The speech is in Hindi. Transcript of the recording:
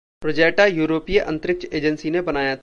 रोज़ेटा यूरोपीय अंतरिक्ष एजेंसी ने बनाया था।